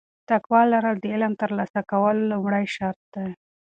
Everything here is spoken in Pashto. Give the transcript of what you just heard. تقوا لرل د علم د ترلاسه کولو لومړی شرط دی.